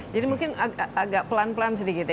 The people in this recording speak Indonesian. mungkin agak pelan pelan sedikit ya